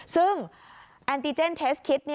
ซึ่งแอนติเจนเทสคิด